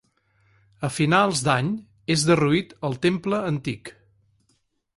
A finals d'any és derruït el temple antic.